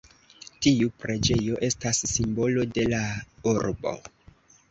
Tiu preĝejo estas simbolo de la urbo.